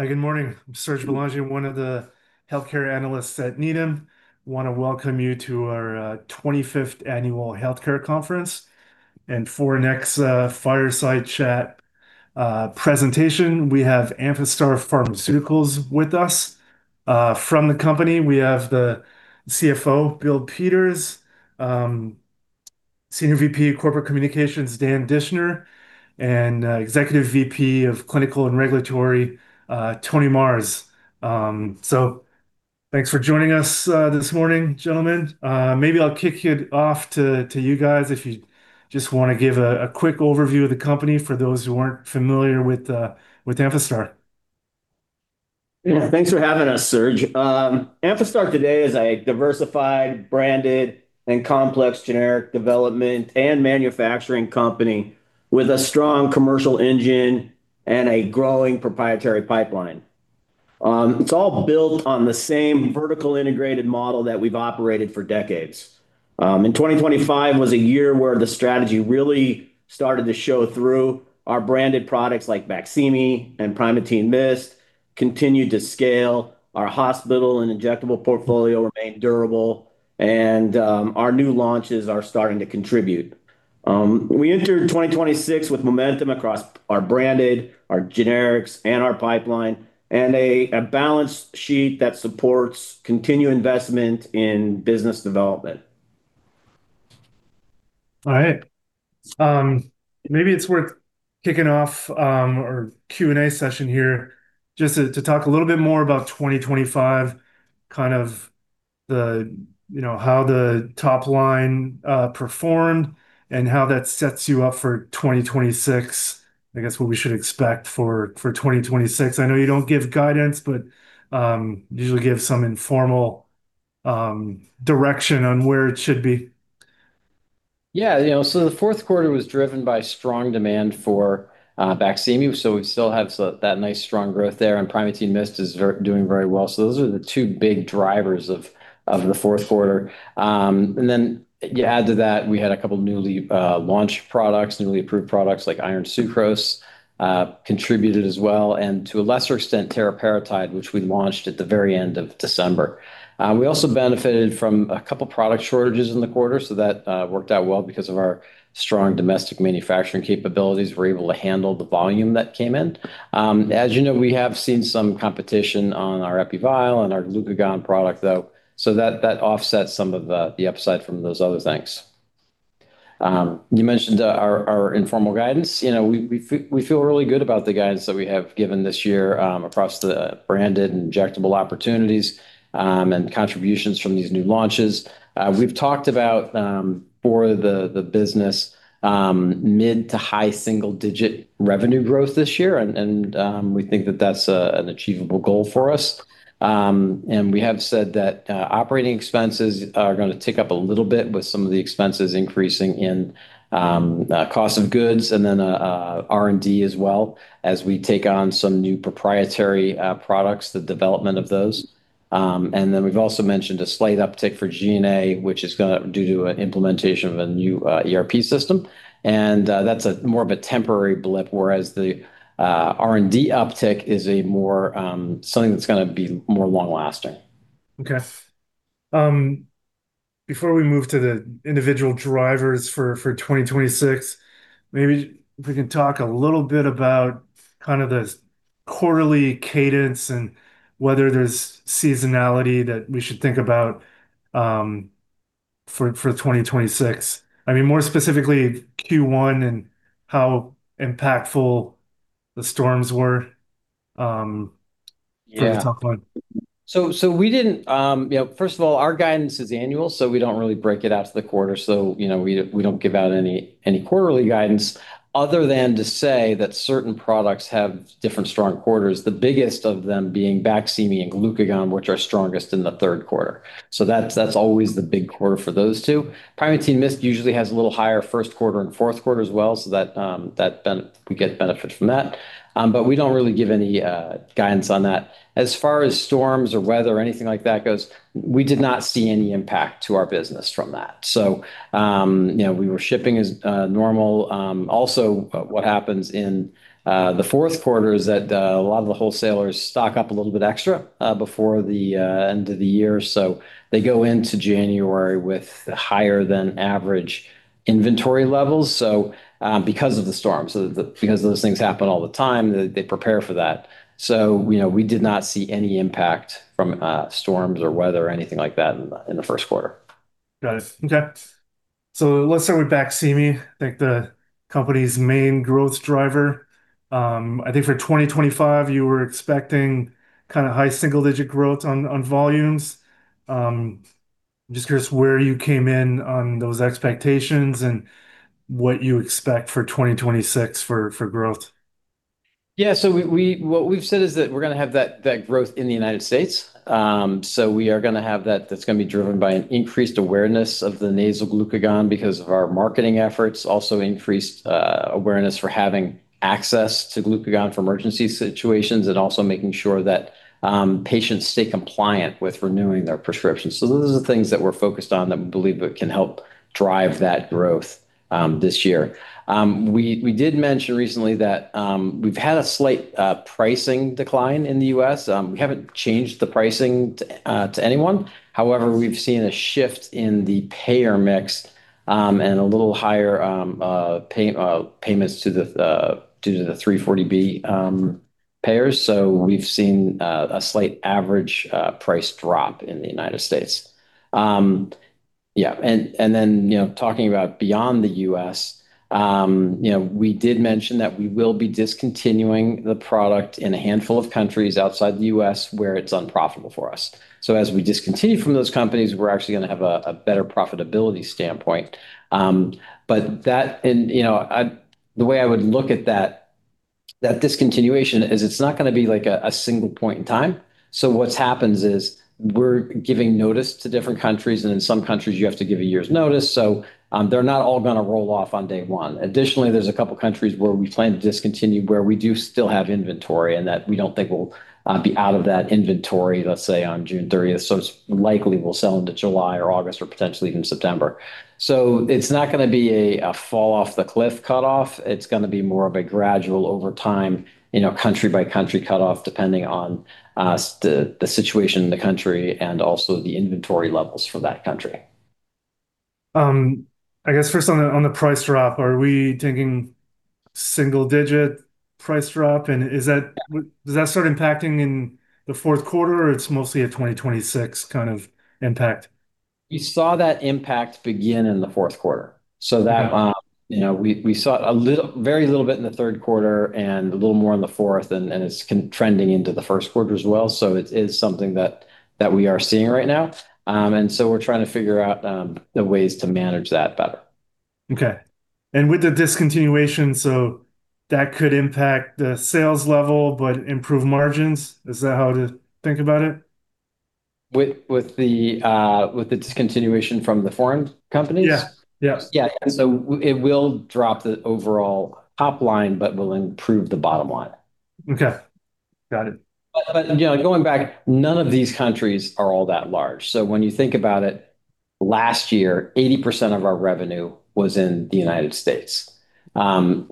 Hi, good morning. I'm Serge Belanger, one of the healthcare analysts at Needham. I want to welcome you to our 25th Annual Healthcare Conference. For our next fireside chat presentation, we have Amphastar Pharmaceuticals with us. From the company, we have the CFO, Bill Peters, Senior VP of Corporate Communications, Dan Dischner, and Executive VP of Clinical and Regulatory, Tony Marrs. Thanks for joining us this morning, gentlemen. Maybe I'll kick it off to you guys if you just want to give a quick overview of the company for those who aren't familiar with Amphastar. Yeah. Thanks for having us, Serge. Amphastar today is a diversified, branded, and complex generic development and manufacturing company with a strong commercial engine and a growing proprietary pipeline. It's all built on the same vertical integrated model that we've operated for decades. 2025 was a year where the strategy really started to show through. Our branded products like Baqsimi and Primatene Mist continued to scale. Our hospital and injectable portfolio remained durable, and our new launches are starting to contribute. We entered 2026 with momentum across our branded, our generics, and our pipeline, and a balance sheet that supports continued investment in business development. All right. Maybe it's worth kicking off our Q&A session here just to talk a little bit more about 2025, how the top line performed and how that sets you up for 2026. I guess what we should expect for 2026. I know you don't give guidance, but you usually give some informal direction on where it should be. Yeah. The fourth quarter was driven by strong demand for Baqsimi, so we still have that nice strong growth there, and Primatene Mist is doing very well. Those are the two big drivers of the fourth quarter. You add to that, we had a couple newly launched products, newly approved products like Iron Sucrose contributed as well, and to a lesser extent, teriparatide, which we launched at the very end of December. We also benefited from a couple product shortages in the quarter, so that worked out well because of our strong domestic manufacturing capabilities. We were able to handle the volume that came in. As you know, we have seen some competition on our epi-vial and our glucagon product, though, so that offsets some of the upside from those other things. You mentioned our informal guidance. We feel really good about the guidance that we have given this year across the branded injectable opportunities and contributions from these new launches. We've talked about, for the business, mid to high single-digit revenue growth this year, and we think that that's an achievable goal for us. We have said that operating expenses are going to tick up a little bit with some of the expenses increasing in cost of goods and then R&D as well as we take on some new proprietary products, the development of those. We've also mentioned a slight uptick for G&A, which is due to an implementation of a new ERP system, and that's more of a temporary blip, whereas the R&D uptick is something that's going to be more long-lasting. Okay. Before we move to the individual drivers for 2026, maybe if we can talk a little bit about the quarterly cadence and whether there's seasonality that we should think about for 2026, more specifically Q1 and how impactful the storms were? Yeah For the top line. First of all, our guidance is annual, so we don't really break it out to the quarter. We don't give out any quarterly guidance other than to say that certain products have different strong quarters, the biggest of them being Baqsimi and glucagon, which are strongest in the third quarter. That's always the big quarter for those two. Primatene Mist usually has a little higher first quarter and fourth quarter as well, so we get benefit from that. We don't really give any guidance on that. As far as storms or weather or anything like that goes, we did not see any impact to our business from that. We were shipping as normal. Also, what happens in the fourth quarter is that a lot of the wholesalers stock up a little bit extra before the end of the year. They go into January with higher than average inventory levels because of the storm. Because those things happen all the time, they prepare for that. We did not see any impact from storms or weather or anything like that in the first quarter. Got it. Okay. Let's start with Baqsimi, I think the company's main growth driver. I think for 2025, you were expecting high single-digit growth on volumes. I'm just curious where you came in on those expectations and what you expect for 2026 for growth. Yeah. What we've said is that we're going to have that growth in the United States. We are going to have that. That's going to be driven by an increased awareness of the nasal glucagon because of our marketing efforts, also increased awareness for having access to glucagon for emergency situations, and also making sure that patients stay compliant with renewing their prescriptions. Those are the things that we're focused on that we believe can help drive that growth this year. We did mention recently that we've had a slight pricing decline in the U.S. We haven't changed the pricing to anyone. However, we've seen a shift in the payer mix and a little higher payments due to the 340B payers. We've seen a slight average price drop in the United States. Yeah. Talking about beyond the U.S., we did mention that we will be discontinuing the product in a handful of countries outside the U.S. where it's unprofitable for us. As we discontinue from those countries, we're actually going to have a better profitability standpoint. The way I would look at that discontinuation is it's not going to be a single point in time. What happens is we're giving notice to different countries, and in some countries you have to give a year's notice. They're not all going to roll off on day one. Additionally, there's a couple countries where we plan to discontinue, where we do still have inventory and that we don't think we'll be out of that inventory, let's say, on June 30th. It likely will sell into July or August or potentially even September. It's not going to be a fall off the cliff cutoff. It's going to be more of a gradual over time, country by country cutoff, depending on the situation in the country and also the inventory levels for that country. I guess first on the price drop, are we thinking single-digit price drop? Does that start impacting in the fourth quarter, or it's mostly a 2026 kind of impact? You saw that impact begin in the fourth quarter. Okay. We saw a very little bit in the third quarter and a little more in the fourth, and it's trending into the first quarter as well. It is something that we are seeing right now. We're trying to figure out the ways to manage that better. Okay. With the discontinuation, so that could impact the sales level but improve margins. Is that how to think about it? With the discontinuation from the foreign companies? Yeah. Yeah. It will drop the overall top line but will improve the bottom line. Okay. Got it. Going back, none of these countries are all that large. When you think about it, last year, 80% of our revenue was in the United States.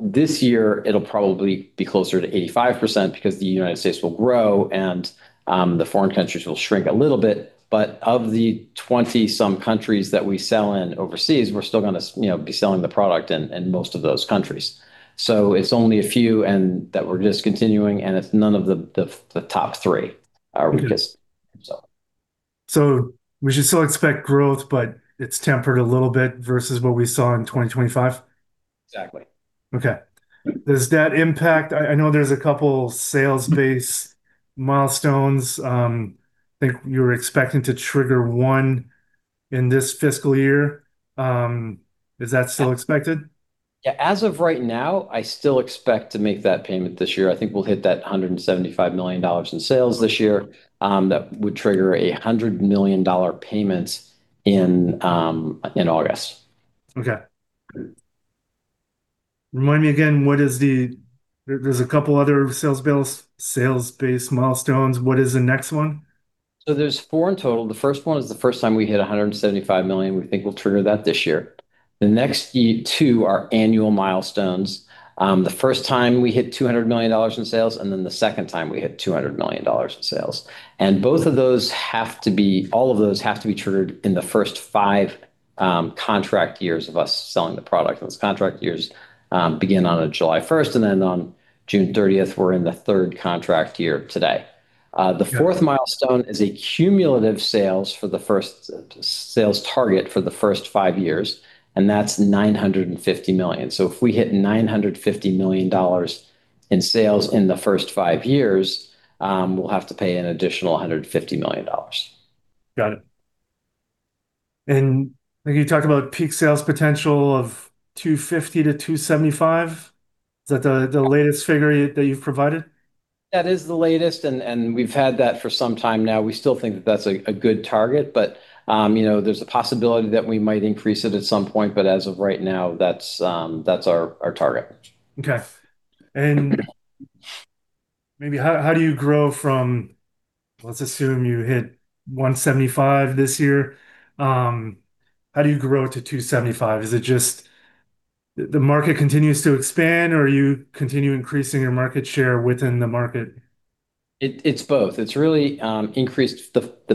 This year it'll probably be closer to 85% because the United States will grow and the foreign countries will shrink a little bit. Of the 20-some countries that we sell in overseas, we're still going to be selling the product in most of those countries. It's only a few and that we're discontinuing, and it's none of the top three are because of it. We should still expect growth, but it's tempered a little bit versus what we saw in 2025. Exactly. Okay. I know there's a couple sales-based milestones. I think you were expecting to trigger one in this fiscal year. Is that still expected? Yeah. As of right now, I still expect to make that payment this year. I think we'll hit that $175 million in sales this year. That would trigger $100 million payments in August. Okay. Remind me again, there's a couple other sales-based milestones. What is the next one? There's four in total. The first one is the first time we hit $175 million. We think we'll trigger that this year. The next two are annual milestones, the first time we hit $200 million in sales, and then the second time we hit $200 million in sales. All of those have to be triggered in the first five contract years of us selling the product. Those contract years begin on July first and then on June 30th. We're in the third contract year today. The fourth milestone is a cumulative sales target for the first five years, and that's $950 million. If we hit $950 million in sales in the first five years, we'll have to pay an additional $150 million. Got it. I think you talked about peak sales potential of $250-$275. Is that the latest figure that you've provided? That is the latest, and we've had that for some time now. We still think that that's a good target, but there's a possibility that we might increase it at some point. As of right now, that's our target. Okay. Maybe, let's assume you hit $175 this year, how do you grow to $275? Is it just the market continues to expand, or you continue increasing your market share within the market? It's both. The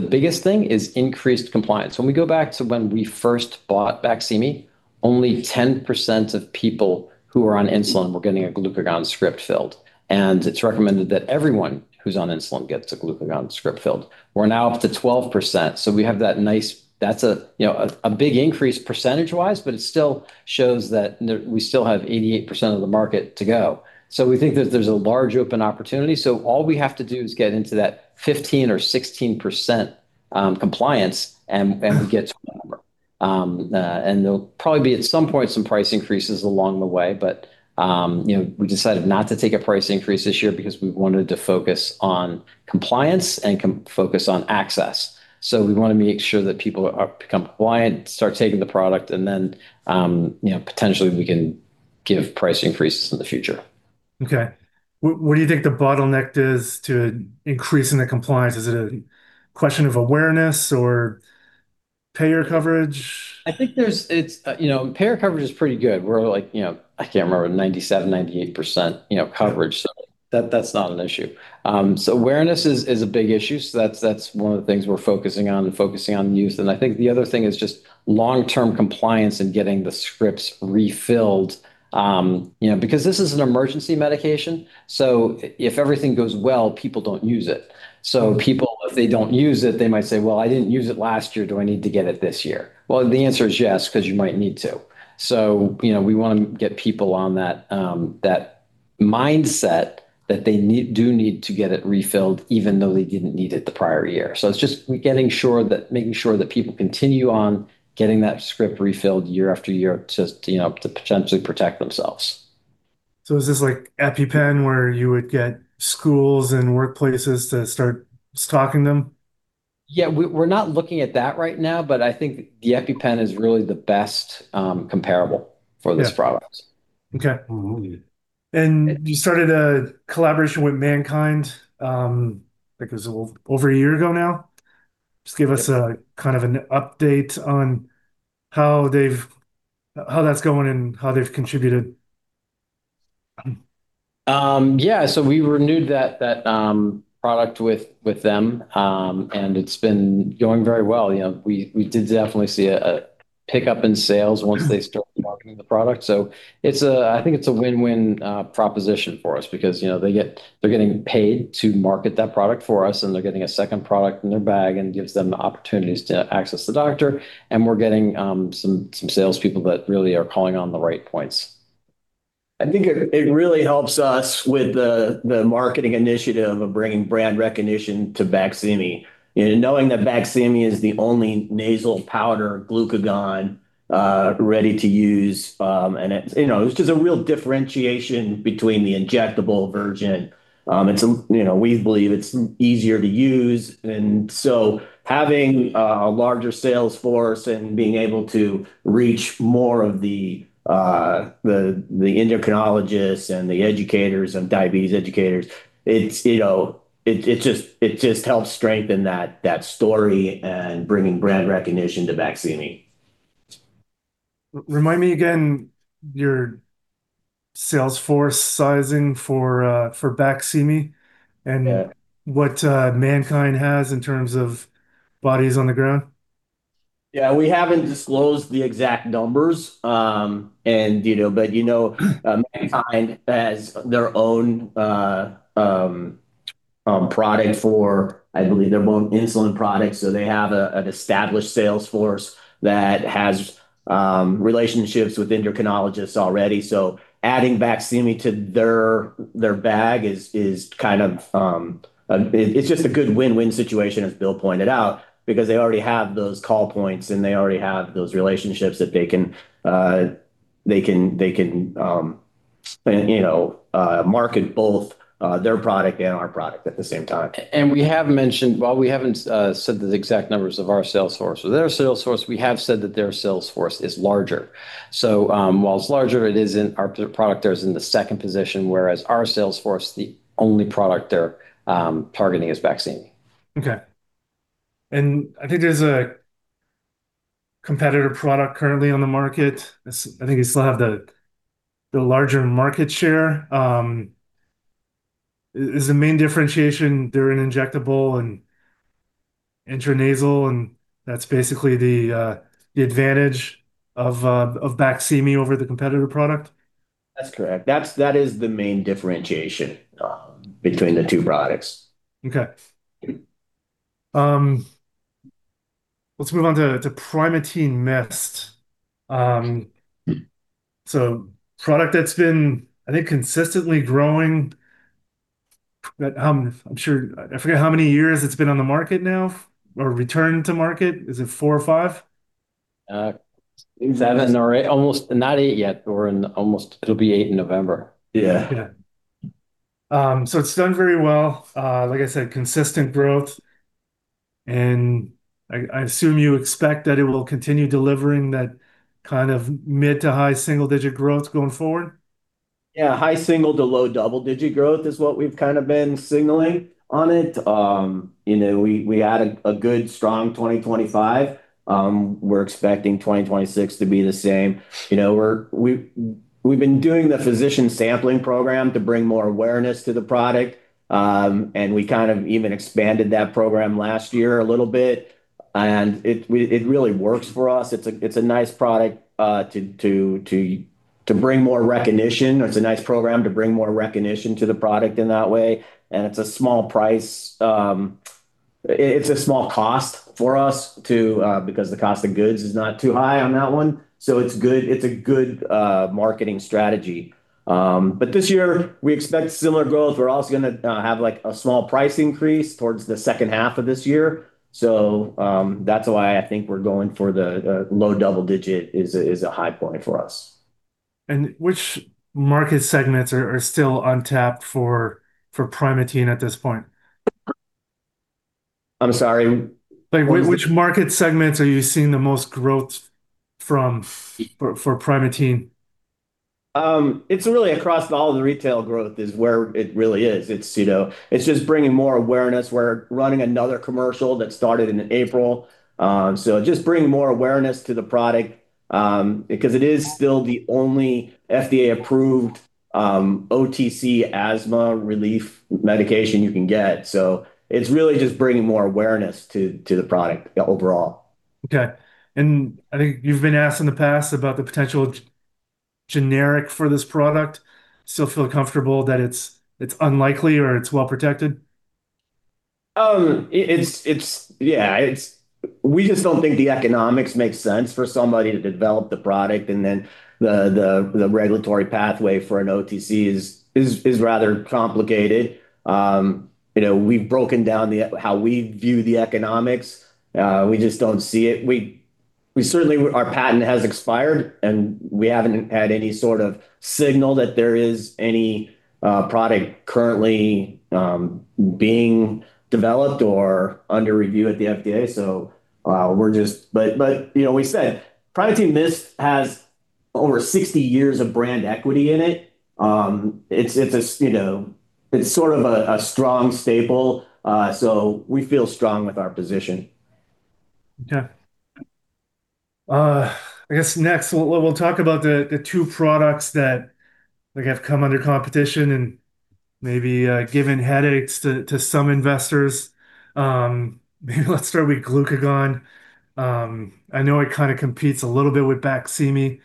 biggest thing is increased compliance. When we go back to when we first bought Baqsimi, only 10% of people who were on insulin were getting a glucagon script filled, and it's recommended that everyone who's on insulin gets a glucagon script filled. We're now up to 12%, so we have that nice. That's a big increase percentage-wise, but it still shows that we still have 88% of the market to go. We think that there's a large open opportunity, so all we have to do is get into that 15% or 16% compliance, and we get to that number. There'll probably be at some point some price increases along the way, but we decided not to take a price increase this year because we wanted to focus on compliance and focus on access. We want to make sure that people become compliant, start taking the product, and then potentially we can give price increases in the future. Okay. What do you think the bottleneck is to increasing the compliance? Is it a question of awareness or payer coverage? I think payer coverage is pretty good. We're, I can't remember, 97%-98% coverage. That's not an issue. Awareness is a big issue. That's one of the things we're focusing on and focusing on youth. I think the other thing is just long-term compliance and getting the scripts refilled, because this is an emergency medication, so if everything goes well, people don't use it. People, if they don't use it, they might say, "Well, I didn't use it last year. Do I need to get it this year?" Well, the answer is yes, because you might need to. We want to get people on that mindset that they do need to get it refilled, even though they didn't need it the prior year. It's just making sure that people continue on getting that script refilled year after year to potentially protect themselves. Is this like EpiPen, where you would get schools and workplaces to start stocking them? Yeah, we're not looking at that right now, but I think the EpiPen is really the best comparable for this product. Okay. Mm-hmm. You started a collaboration with MannKind, I think it was a little over a year ago now. Just give us a kind of an update on how that's going and how they've contributed. Yeah. We renewed that product with them. It's been going very well. We did definitely see a pickup in sales once they started marketing the product. I think it's a win-win proposition for us because they're getting paid to market that product for us, and they're getting a second product in their bag, and it gives them the opportunities to access the doctor. We're getting some salespeople that really are calling on the right points. I think it really helps us with the marketing initiative of bringing brand recognition to Baqsimi. Knowing that Baqsimi is the only nasal powder glucagon ready to use, it's just a real differentiation between the injectable version. We believe it's easier to use. Having a larger sales force and being able to reach more of the endocrinologists and the educators and diabetes educators, it just helps strengthen that story and bringing brand recognition to Baqsimi. Remind me again your sales force sizing for Baqsimi? Yeah What MannKind has in terms of bodies on the ground. Yeah. We haven't disclosed the exact numbers. MannKind has their own product for, I believe, their own insulin product. They have an established sales force that has relationships with endocrinologists already. Adding Baqsimi to their bag, it's just a good win-win situation, as Bill pointed out, because they already have those call points, and they already have those relationships that they can market both their product and our product at the same time. We have mentioned, while we haven't said the exact numbers of our sales force or their sales force, we have said that their sales force is larger. While it's larger, our product there is in the second position, whereas our sales force, the only product they're targeting is Baqsimi. Okay. I think there's a competitor product currently on the market. I think you still have the larger market share. Is the main differentiation they're an injectable and intranasal, and that's basically the advantage of Baqsimi over the competitor product? That's correct. That is the main differentiation between the two products. Okay. Let's move on to Primatene Mist. It's a product that's been, I think, consistently growing. I forget how many years it's been on the market now or return to market. Is it four or five? Seven or eight, not eight yet. It'll be eight in November. Yeah. Yeah. It's done very well. Like I said, consistent growth, and I assume you expect that it will continue delivering that kind of mid to high single-digit growth going forward? Yeah. High single to low double-digit growth is what we've kind of been signaling on it. We had a good strong 2025. We're expecting 2026 to be the same. We've been doing the physician sampling program to bring more awareness to the product. We kind of even expanded that program last year a little bit, and it really works for us. It's a nice program to bring more recognition to the product in that way, and it's a small price. It's a small cost for us because the cost of goods is not too high on that one. It's a good marketing strategy. This year, we expect similar growth. We're also going to have a small price increase towards the second half of this year. That's why I think we're going for the low double-digit is a high point for us. Which market segments are still untapped for Primatene at this point? I'm sorry. Which market segments are you seeing the most growth from for Primatene? It's really across all the retail growth is where it really is. It's just bringing more awareness. We're running another commercial that started in April. Just bringing more awareness to the product, because it is still the only FDA-approved OTC asthma relief medication you can get. It's really just bringing more awareness to the product overall. Okay. I think you've been asked in the past about the potential generic for this product. Still feel comfortable that it's unlikely or it's well protected? Yeah. We just don't think the economics makes sense for somebody to develop the product and then the regulatory pathway for an OTC is rather complicated. We've broken down how we view the economics. We just don't see it. Certainly, our patent has expired, and we haven't had any sort of signal that there is any product currently being developed or under review at the FDA. We said Primatene Mist has over 60 years of brand equity in it. It's sort of a strong staple, so we feel strong with our position. Okay. I guess next, we'll talk about the two products that have come under competition and maybe given headaches to some investors. Maybe let's start with Glucagon. I know it kind of competes a little bit with Baqsimi.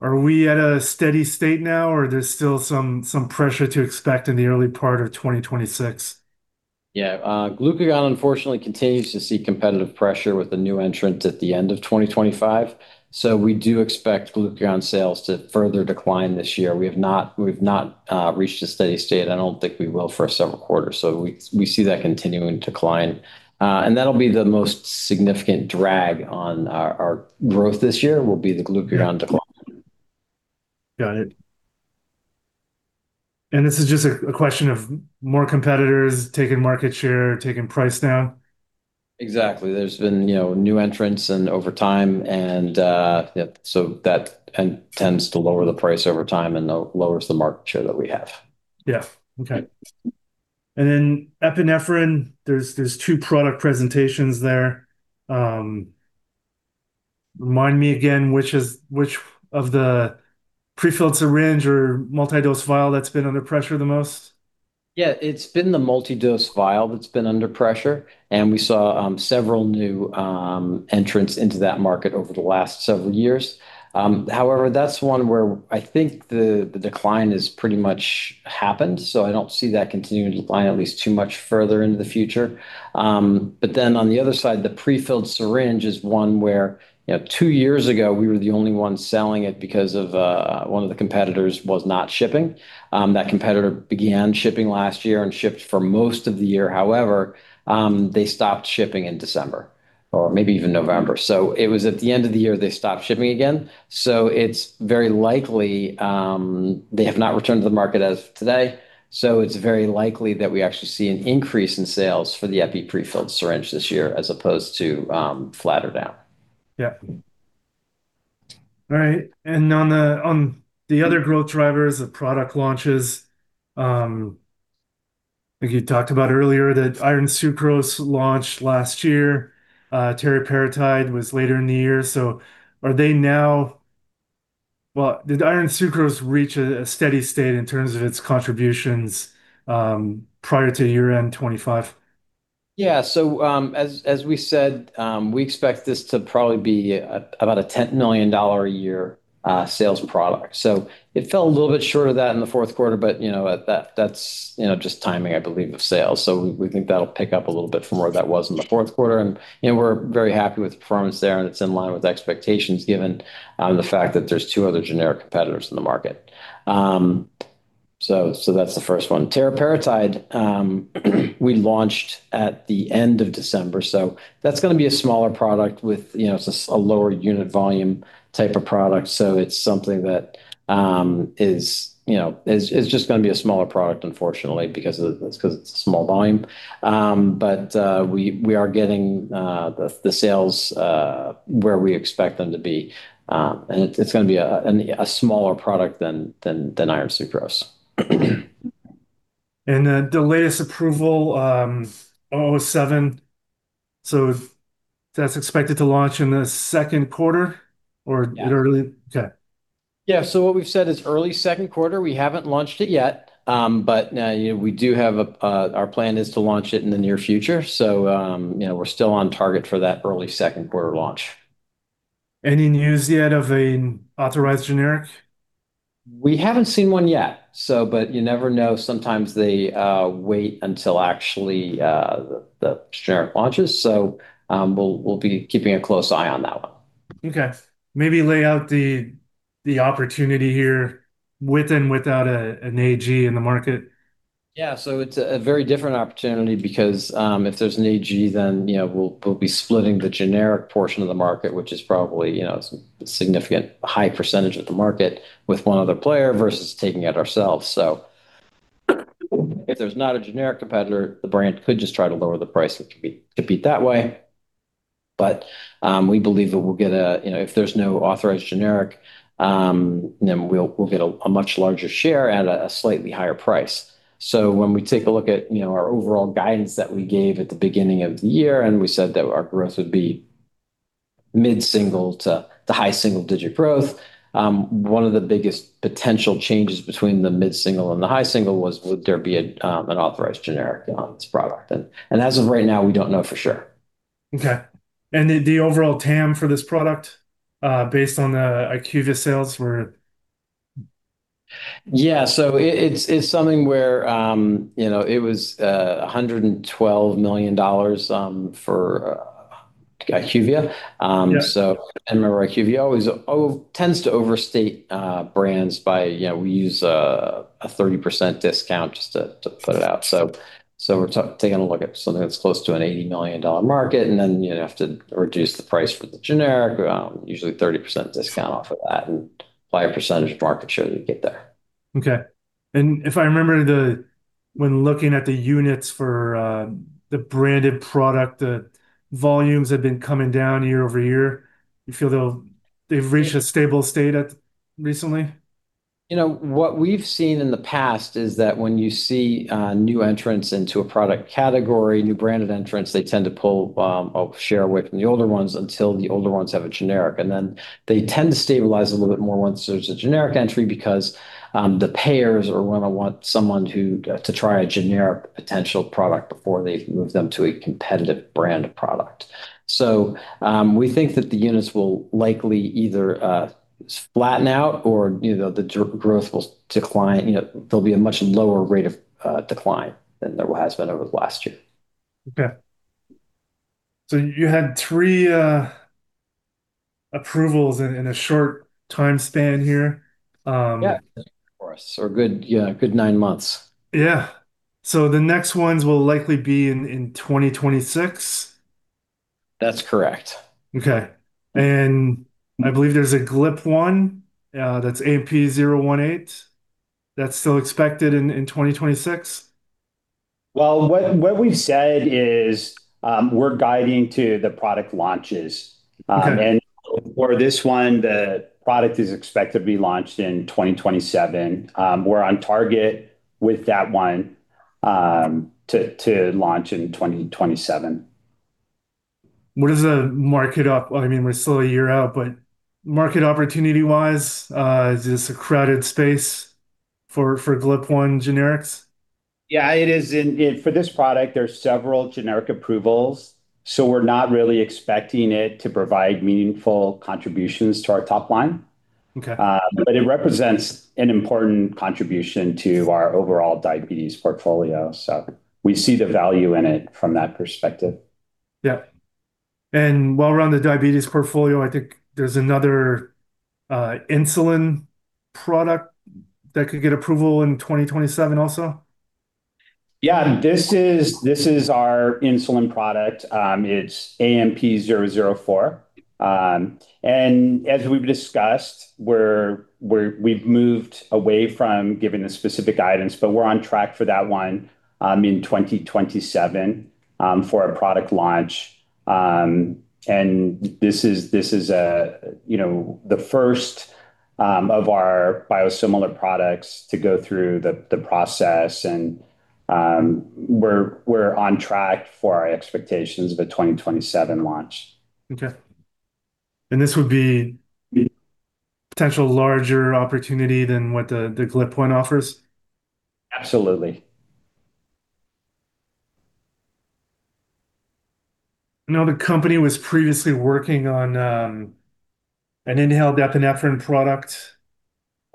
Are we at a steady state now, or there's still some pressure to expect in the early part of 2026? Yeah. Glucagon, unfortunately, continues to see competitive pressure with the new entrant at the end of 2025. We do expect glucagon sales to further decline this year. We've not reached a steady state. I don't think we will for several quarters, so we see that continuing to decline. That'll be the most significant drag on our growth this year, will be the glucagon decline. Got it. This is just a question of more competitors taking market share, taking price down? Exactly. There's been new entrants over time, and so that tends to lower the price over time and lowers the market share that we have. Yeah. Okay. Epinephrine, there's two product presentations there. Remind me again which of the prefilled syringe or multi-dose vial that's been under pressure the most? Yeah, it's been the multi-dose vial that's been under pressure, and we saw several new entrants into that market over the last several years. However, that's one where I think the decline has pretty much happened, so I don't see that continuing to decline at least too much further into the future. On the other side, the prefilled syringe is one where two years ago, we were the only ones selling it because one of the competitors was not shipping. That competitor began shipping last year and shipped for most of the year. However, they stopped shipping in December or maybe even November. It was at the end of the year they stopped shipping again. They have not returned to the market as of today, so it's very likely that we actually see an increase in sales for the epi prefilled syringe this year as opposed to flat or down. Yeah. All right. On the other growth drivers, the product launches, like you talked about earlier, that Iron Sucrose launched last year. Teriparatide was later in the year. Did Iron Sucrose reach a steady state in terms of its contributions prior to year-end 2025? Yeah. As we said, we expect this to probably be about a $10 million a year sales product. It fell a little bit short of that in the fourth quarter, but that's just timing, I believe, of sales. We think that'll pick up a little bit from where that was in the fourth quarter, and we're very happy with the performance there, and it's in line with expectations given the fact that there's two other generic competitors in the market. That's the first one. teriparatide, we launched at the end of December, so that's going to be a smaller product. It's a lower unit volume type of product, so it's something that is just going to be a smaller product, unfortunately, because it's a small volume. We are getting the sales where we expect them to be. It's going to be a smaller product than Iron Sucrose. The latest approval, AMP-007, so that's expected to launch in the second quarter or early? Yeah. Okay. Yeah. What we've said is early second quarter. We haven't launched it yet, but our plan is to launch it in the near future, so we're still on target for that early second quarter launch. Any news yet of an authorized generic? We haven't seen one yet, but you never know. Sometimes they wait until actually the generic launches. We'll be keeping a close eye on that one. Okay. Maybe lay out the opportunity here with and without an AG in the market. Yeah. It's a very different opportunity because if there's an AG, then we'll be splitting the generic portion of the market, which is probably a significant high % of the market, with one other player versus taking it ourselves. If there's not a generic competitor, the brand could just try to lower the price and compete that way. We believe if there's no authorized generic, then we'll get a much larger share at a slightly higher price. When we take a look at our overall guidance that we gave at the beginning of the year, and we said that our growth would be mid-single to high single-digit growth, one of the biggest potential changes between the mid-single and the high single was would there be an authorized generic on this product. As of right now, we don't know for sure. Okay. The overall TAM for this product, based on the IQVIA sales were? Yeah. It's something where it was $112 million for IQVIA. Yeah. Remember, IQVIA always tends to overstate brands. We use a 30% discount just to put it out. We're taking a look at something that's close to an $80 million market, and then you have to reduce the price for the generic, usually 30% discount off of that, and apply a % of market share that you get there. Okay. If I remember when looking at the units for the branded product, the volumes had been coming down year-over-year. Do you feel they've reached a stable state recently? What we've seen in the past is that when you see new entrants into a product category, new branded entrants, they tend to pull share away from the older ones until the older ones have a generic. They tend to stabilize a little bit more once there's a generic entry because the payers are going to want someone to try a generic potential product before they move them to a competitive brand product. We think that the units will likely either flatten out or the growth will decline. There'll be a much lower rate of decline than there has been over the last year. Okay. You had three approvals in a short time span here. Yeah, for us, a good nine months. Yeah. The next ones will likely be in 2026? That's correct. Okay. I believe there's a GLP-1 that's AMP-018 that's still expected in 2026? Well, what we've said is we're guiding to the product launches. Okay. For this one, the product is expected to be launched in 2027. We're on target with that one to launch in 2027. I mean, we're still a year out, but market opportunity-wise, is this a crowded space for GLP-1 generics? Yeah, it is. For this product, there are several generic approvals, so we're not really expecting it to provide meaningful contributions to our top line. Okay. It represents an important contribution to our overall diabetes portfolio. We see the value in it from that perspective. Yeah. While we're on the diabetes portfolio, I think there's another insulin product that could get approval in 2027 also? Yeah, this is our insulin product. It's AMP-004. As we've discussed, we've moved away from giving the specific guidance, but we're on track for that one in 2027 for a product launch. This is the first of our biosimilar products to go through the process and we're on track for our expectations of a 2027 launch. Okay. This would be potential larger opportunity than what the GLP-1 offers? Absolutely. I know the company was previously working on an inhaled epinephrine product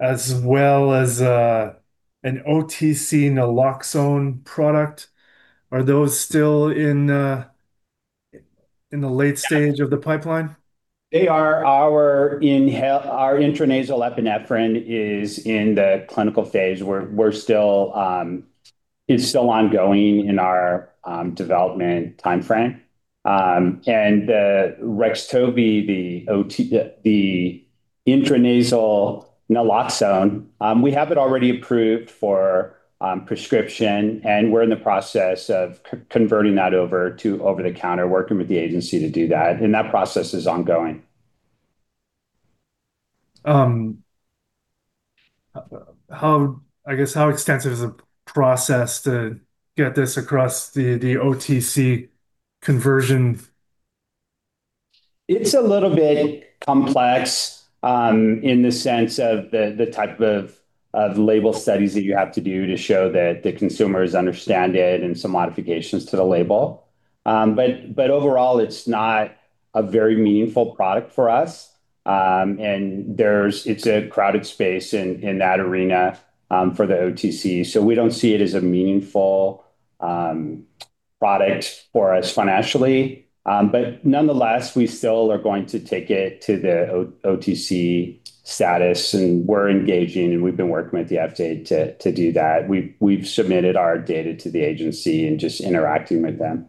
as well as an OTC naloxone product. Are those still in the late stage of the pipeline? They are. Our intranasal epinephrine is in the clinical phase. It's still ongoing in our development timeframe. The REXTAVY, the intranasal naloxone, we have it already approved for prescription, and we're in the process of converting that over to over-the-counter, working with the agency to do that, and that process is ongoing. How extensive is the process to get this across the OTC conversion? It's a little bit complex in the sense of the type of label studies that you have to do to show that the consumers understand it and some modifications to the label. Overall, it's not a very meaningful product for us. It's a crowded space in that arena for the OTC, so we don't see it as a meaningful product for us financially. Nonetheless, we still are going to take it to the OTC status, and we're engaging, and we've been working with the FDA to do that. We've submitted our data to the agency and just interacting with them.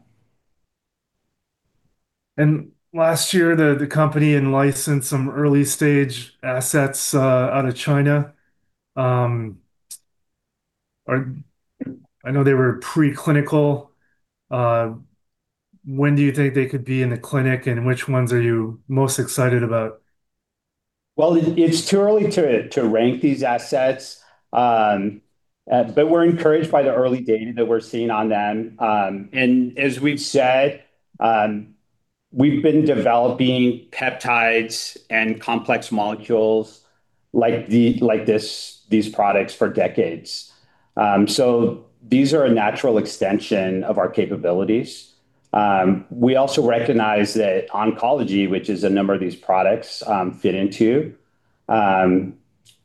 Last year, the company in-licensed some early-stage assets out of China. I know they were preclinical. When do you think they could be in the clinic, and which ones are you most excited about? Well, it's too early to rank these assets, but we're encouraged by the early data that we're seeing on them. As we've said, we've been developing peptides and complex molecules like these products for decades. These are a natural extension of our capabilities. We also recognize that oncology, which is a number of these products fit into,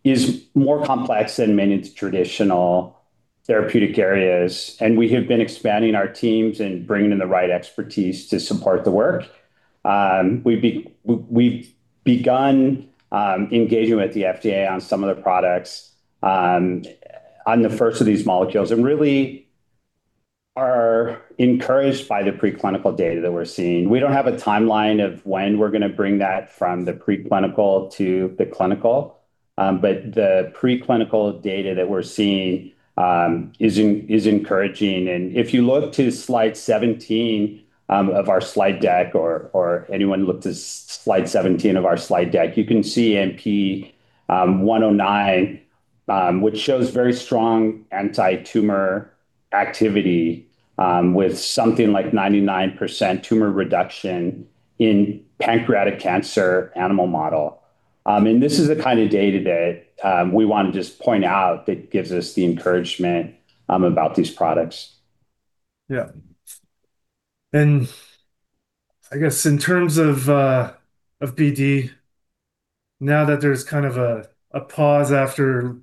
is more complex than many traditional therapeutic areas, and we have been expanding our teams and bringing in the right expertise to support the work. We've begun engaging with the FDA on some of the products on the first of these molecules and really are encouraged by the preclinical data that we're seeing. We don't have a timeline of when we're going to bring that from the preclinical to the clinical. The preclinical data that we're seeing is encouraging. If you look to slide 17 of our slide deck or anyone looked at slide 17 of our slide deck, you can see AMP-109, which shows very strong anti-tumor activity, with something like 99% tumor reduction in pancreatic cancer animal model. This is the kind of data that we want to just point out that gives us the encouragement about these products. Yeah. I guess in terms of BD, now that there's kind of a pause after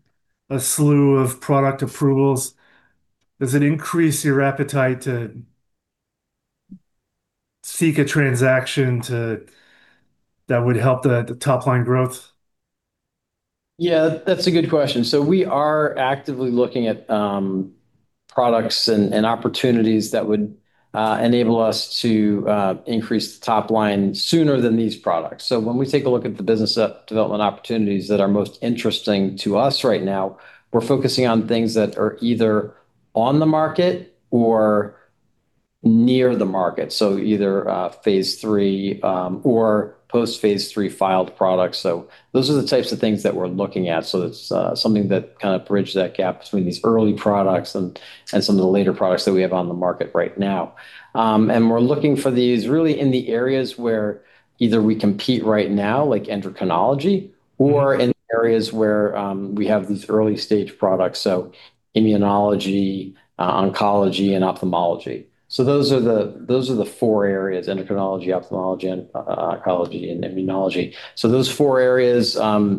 a slew of product approvals, does it increase your appetite to seek a transaction that would help the top-line growth? Yeah, that's a good question. We are actively looking at products and opportunities that would enable us to increase the top line sooner than these products. When we take a look at the business development opportunities that are most interesting to us right now, we're focusing on things that are either on the market or near the market, either phase III or post-phase III filed products. Those are the types of things that we're looking at. It's something that kind of bridged that gap between these early products and some of the later products that we have on the market right now. We're looking for these really in the areas where either we compete right now, like endocrinology, or in areas where we have these early-stage products, so immunology, oncology, and ophthalmology. Those are the four areas, endocrinology, ophthalmology, and oncology, and immunology. Those four areas,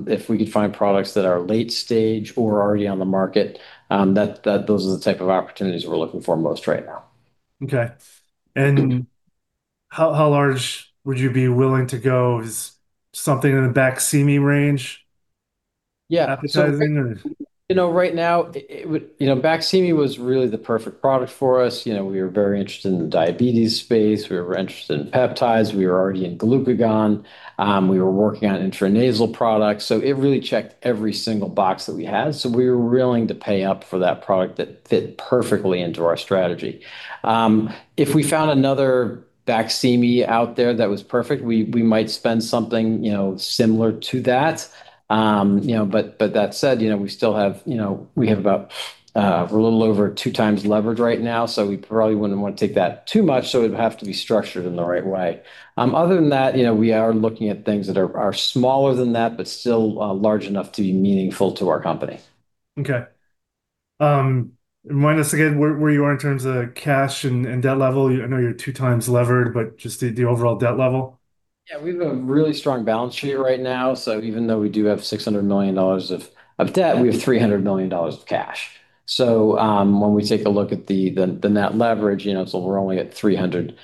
if we could find products that are late-stage or already on the market, those are the type of opportunities we're looking for most right now. Okay. How large would you be willing to go? Is something in the Baqsimi range appetizing? Right now, Baqsimi was really the perfect product for us. We were very interested in the diabetes space. We were interested in peptides. We were already in glucagon. We were working on intranasal products. It really checked every single box that we had. We were willing to pay up for that product that fit perfectly into our strategy. If we found another Baqsimi out there that was perfect, we might spend something similar to that. That said, we have about a little over two times leverage right now, so we probably wouldn't want to take that too much. It would have to be structured in the right way. Other than that, we are looking at things that are smaller than that, but still large enough to be meaningful to our company. Okay. Remind us again where you are in terms of cash and debt level. I know you're two times levered, but just the overall debt level? Yeah. We have a really strong balance sheet right now. Even though we do have $600 million of debt, we have $300 million of cash. When we take a look at the net leverage, so we're only at 300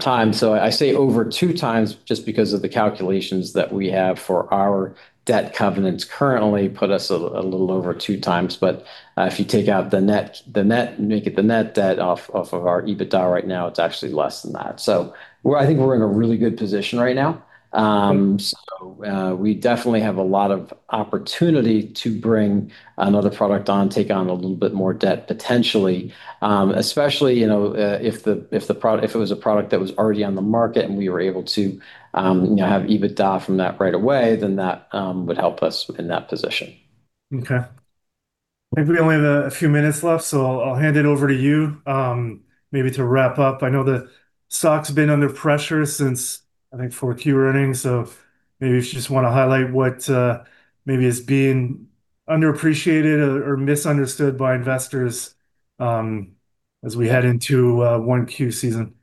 times. I say over two times just because of the calculations that we have for our debt covenants currently put us a little over two times. If you take out the net, make it the net debt off of our EBITDA right now, it's actually less than that. I think we're in a really good position right now. We definitely have a lot of opportunity to bring another product on, take on a little bit more debt, potentially. Especially if it was a product that was already on the market and we were able to have EBITDA from that right away, then that would help us in that position. Okay. I think we only have a few minutes left, so I'll hand it over to you, maybe to wrap up. I know the stock's been under pressure since, I think, 4Q earnings. Maybe if you just want to highlight what maybe is being underappreciated or misunderstood by investors as we head into 1Q season.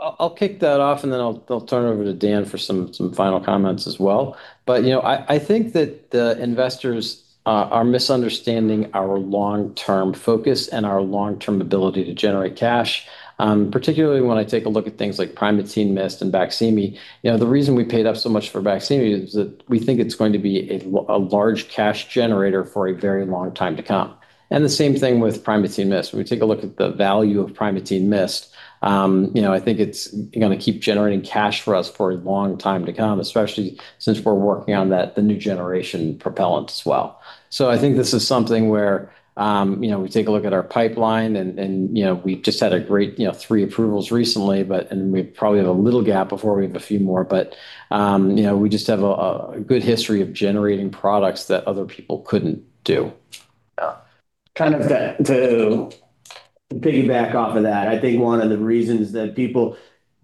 I'll kick that off, and then I'll turn it over to Dan for some final comments as well. I think that the investors are misunderstanding our long-term focus and our long-term ability to generate cash, particularly when I take a look at things like Primatene Mist and Baqsimi. The reason we paid up so much for Baqsimi is that we think it's going to be a large cash generator for a very long time to come, and the same thing with Primatene Mist. When we take a look at the value of Primatene Mist, I think it's going to keep generating cash for us for a long time to come, especially since we're working on the new generation propellant as well. I think this is something where we take a look at our pipeline, and we just had a great three approvals recently, and we probably have a little gap before we have a few more, but we just have a good history of generating products that other people couldn't do. Kind of to piggyback off of that,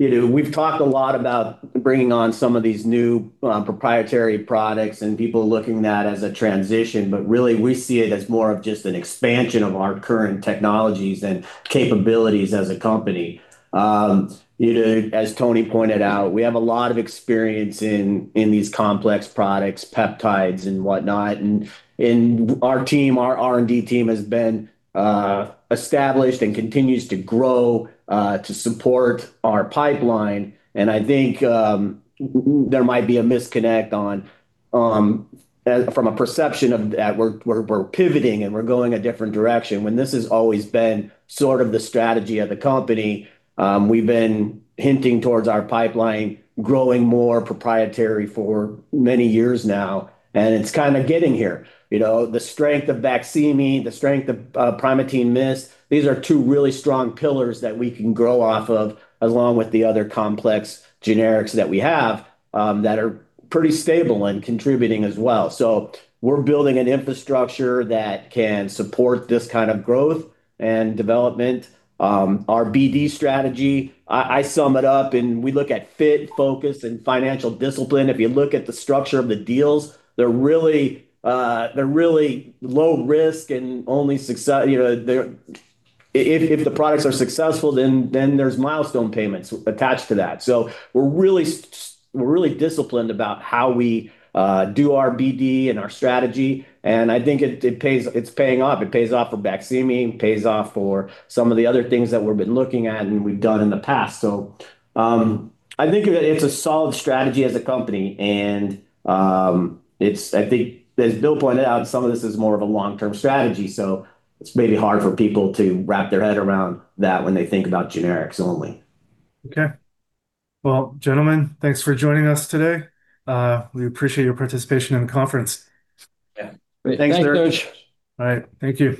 we've talked a lot about bringing on some of these new proprietary products and people looking at that as a transition, but really, we see it as more of just an expansion of our current technologies and capabilities as a company. As Tony pointed out, we have a lot of experience in these complex products, peptides and whatnot, and our R&D team has been established and continues to grow to support our pipeline. I think there might be a disconnect from a perception that we're pivoting, and we're going a different direction when this has always been sort of the strategy of the company. We've been hinting towards our pipeline growing more proprietary for many years now, and it's kind of getting here. The strength of Baqsimi, the strength of Primatene Mist, these are two really strong pillars that we can grow off of, along with the other complex generics that we have that are pretty stable and contributing as well. We're building an infrastructure that can support this kind of growth and development. Our BD strategy, I sum it up, and we look at fit, focus, and financial discipline. If you look at the structure of the deals, they're really low risk and if the products are successful, then there's milestone payments attached to that. We're really disciplined about how we do our BD and our strategy, and I think it's paying off. It pays off for Baqsimi, it pays off for some of the other things that we've been looking at and we've done in the past. I think that it's a solid strategy as a company, and I think as Bill pointed out, some of this is more of a long-term strategy, so it's maybe hard for people to wrap their head around that when they think about generics only. Okay. Well, gentlemen, thanks for joining us today. We appreciate your participation in the conference. Yeah. Thanks, Serge. Thanks, Serge. All right. Thank you.